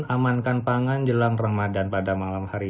amankan pangan jelang ramadhan pada malam hari ini